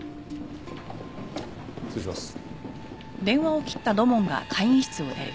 失礼します。